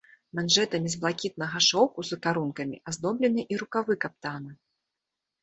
Манжэтамі з блакітнага шоўку з карункамі аздоблены і рукавы каптана.